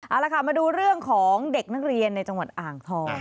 เอาละค่ะมาดูเรื่องของเด็กนักเรียนในจังหวัดอ่างทอง